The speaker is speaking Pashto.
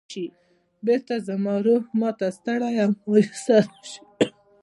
بېرته زما روح ما ته ستړی او مایوسه راشي.